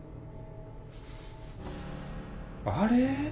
あれ？